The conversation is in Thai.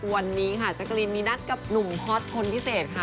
วันนี้ค่ะแจ๊กกะรีนมีนัดกับหนุ่มฮอตคนพิเศษค่ะ